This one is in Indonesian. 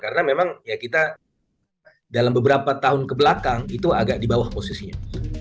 karena memang ya kita dalam beberapa tahun kebelakang itu agak di bawah posisinya